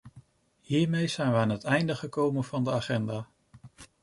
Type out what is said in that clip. Hiermee zijn we aan het einde gekomen van de agenda.